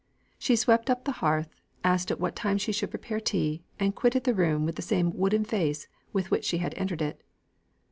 She swept up the hearth, asked at what time she should prepare tea, and quitted the room with the same wooden face with which she had entered it.